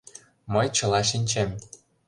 Мый чыла шинчем.